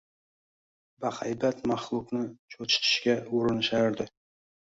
Bahaybat maxluqni cho‘chitishga urinishardi.